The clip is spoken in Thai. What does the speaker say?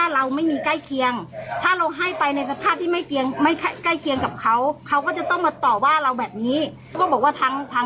รับผิดชอบถังให้เขาไม่ได้เขาไปสภาพไหนเขามาสภาพไหน